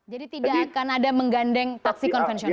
jadi tidak akan ada menggandeng taksi konvensional